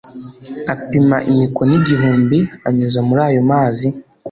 apima imikono igihumbi anyuza muri ayo mazi